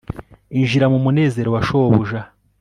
injira mu munezero wa shobuja